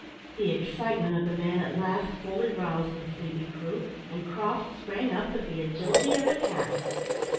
The excitement of the man at last fully roused the sleepy crew, and Croft sprang up with the agility of a cat.